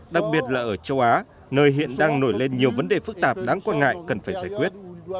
đặc biệt là ở châu á nơi hiện đang nổi lên nhiều vấn đề phức tạp đáng quan ngại cần phải giải quyết